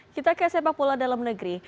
kita ke smp pulau dalam negeri